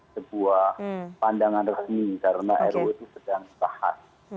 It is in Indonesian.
sebuah pandangan resmi karena ru itu sedang dibahas